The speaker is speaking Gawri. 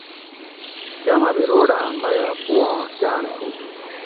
کاماۤ بھی روڑاۤں میہ اواں کاۤنڑ تھو